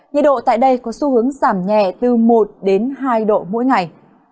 nhiệt độ tại đây có xu hướng giảm nhẹ từ một đến hai độ mỗi ngày